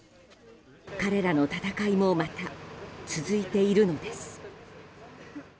彼らの戦いもまた続いているのです。